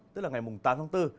tức là ngày mùng tám tháng bốn